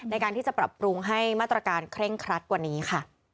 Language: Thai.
ในการที่จะปรับปรุงให้มาตรการเคร่งครัดกว่านี้ค่ะ